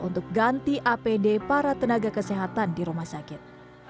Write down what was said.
untuk ganti apd para tenaga kesehatan di rumah sakit